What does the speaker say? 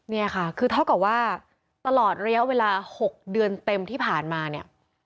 เนี่ยค่ะคือเท่ากับว่าตลอดระยะเวลา๖เดือนเต็มที่ผ่านมาเนี่ย